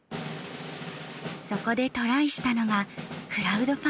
そこでトライしたのがクラウドファンディング。